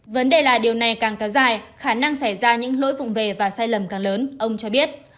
vấn đề là điều này càng kéo dài khả năng xảy ra những lỗi vụn về và sai lầm càng lớn ông cho biết